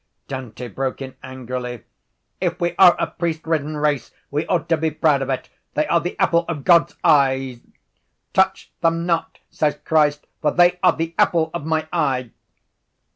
Dante broke in angrily: —If we are a priestridden race we ought to be proud of it! They are the apple of God’s eye. Touch them not, says Christ, _for they are the apple of My eye.